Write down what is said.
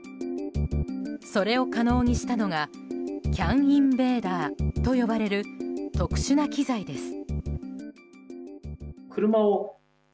それを可能にしたのがＣＡＮインベーダーと呼ばれる特殊な機材です。